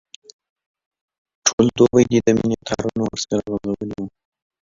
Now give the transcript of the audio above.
ټوله دوبي دي د مینې تارونه ورسره غځولي وو.